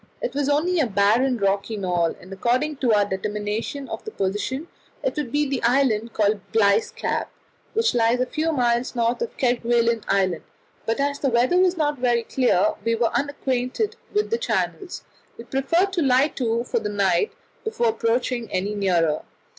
It was only a barren rocky knoll, and according to our determination of the position it would be the island called Bligh's Cap, which lies a few miles north of Kerguelen Island; but as the weather was not very clear, and we were unacquainted with the channels, we preferred to lie to for the night before approaching any nearer.